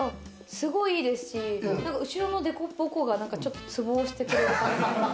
すごいいいですし、なんか後ろのでこぼこがちょっとツボを押してくれる。